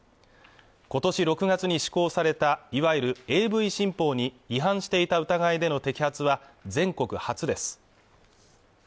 今年６月に施行されたいわゆるＡＶ新法に違反していた疑いでの摘発は全国初です